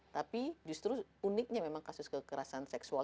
tapi justru uniknya memang kasus kekerasan seksual